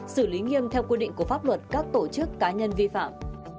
xử lý nghiêm theo quy định của pháp luật các tổ chức cá nhân vi phạm